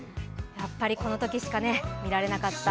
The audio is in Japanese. このときしか見られなかった。